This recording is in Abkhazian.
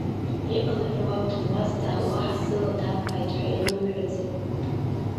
Иҟалеи ҳәа уаб дануазҵаа, уаҳа сыла дамбааит ҳәа иоумҳәаӡеи?